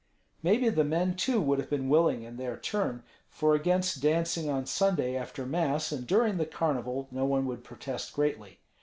Maybe the men, too, would have been willing in their turn; for against dancing on Sunday after Mass and during the carnival no one would protest greatly.